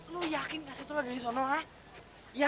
lo yakin kasih tolong dari sana ah